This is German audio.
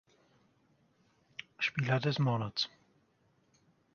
Spieler des Monats